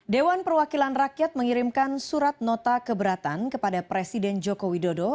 dewan perwakilan rakyat mengirimkan surat nota keberatan kepada presiden joko widodo